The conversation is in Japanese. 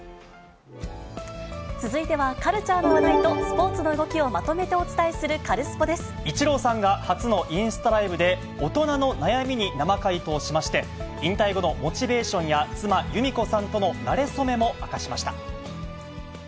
続いては、カルチャーの話題とスポーツの動きをまとめてお伝えするカルスポイチローさんが、初のインスタライブで、大人の悩みに生回答いたしまして、引退後のモチベーションや、妻、弓子さんとのなれ初めも明かしました。